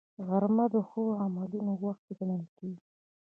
غرمه د ښو عملونو وخت ګڼل کېږي